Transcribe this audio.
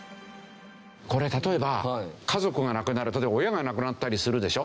これ例えば家族が亡くなる親が亡くなったりするでしょ。